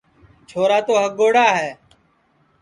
چھورا تو ہگوڑا ہے